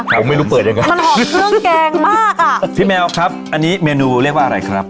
ผมไม่รู้เปิดยังไงมันหอมเครื่องแกงมากอ่ะพี่แมวครับอันนี้เมนูเรียกว่าอะไรครับ